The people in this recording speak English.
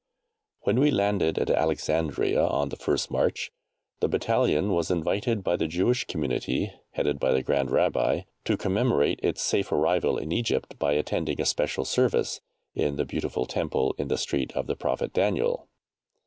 When we landed at Alexandria on the 1st March the Battalion was invited by the Jewish community, headed by the Grand Rabbi, to commemorate its safe arrival in Egypt by attending a special service in the beautiful Temple in the street of the Prophet Daniel.